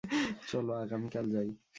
চলো আগামীকাল যাই।